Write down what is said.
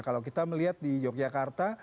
kalau kita melihat di yogyakarta